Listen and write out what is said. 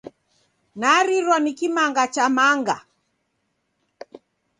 Narirwa ni kimanga cha manga.